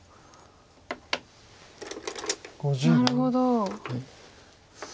なるほど。